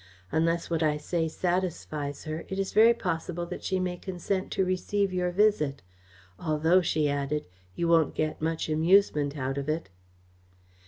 Unless what I say satisfies her, it is very possible that she may consent to receive your visit. Although," she added, "you won't get much amusement out of it."